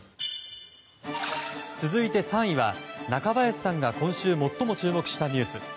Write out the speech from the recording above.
続いて３位は中林さんが今週最も注目したニュース。